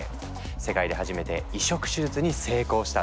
世界で初めて移植手術に成功したの。